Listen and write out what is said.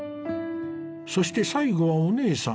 そして最後はお姉さん。